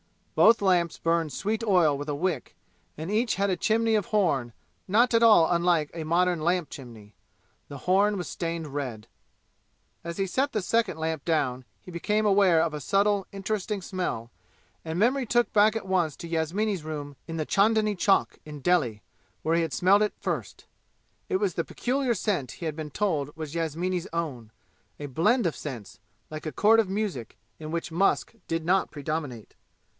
Both lamps burned sweet oil with a wick, and each had a chimney of horn, not at all unlike a modern lamp chimney. The horn was stained red. As he set the second lamp down he became aware of a subtle interesting smell, and memory took back at once to Yasmini's room in the Chandni Chowk in Delhi where he had smelled it first. It was the peculiar scent he had been told was Yasmini's own a blend of scents, like a chord of music, in which musk did not predominate.